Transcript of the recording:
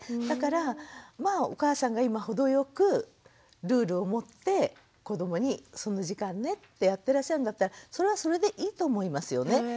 だからまあお母さんが今程良くルールをもって子どもにその時間ねってやってらっしゃるんだったらそれはそれでいいと思いますよね。